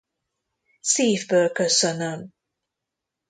Szívből köszönöm!